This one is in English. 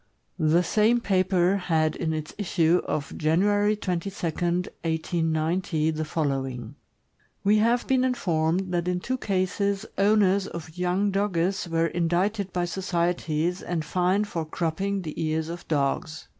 The same paper had in its issue of January 22, 1890, the following: We have been informed that in two cases owners of young Dogges were indicted by societies and fined for cropping the ears of dogs.